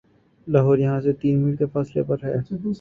لاہور یہاں سے تین میل کے فاصلے پر ہے